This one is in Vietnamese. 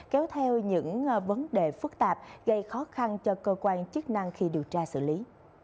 kéo theo những vấn đề phức tạp gây khó khăn cho cơ quan chức năng khi điều tra xử lý